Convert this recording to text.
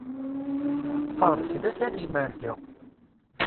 Ṭṭfeɣ-d tlata n yimerga.